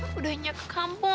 aduh udah nyak ke kampung